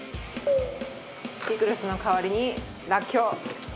ピクルスの代わりにらっきょう。